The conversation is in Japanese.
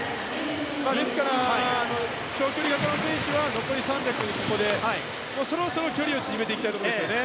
ですから長距離型の選手は残り３００のところでそろそろ距離を縮めたいですよね。